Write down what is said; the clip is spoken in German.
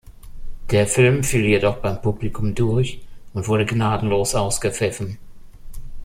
Der Film fiel jedoch beim Publikum durch und wurde gnadenlos ausgepfiffen.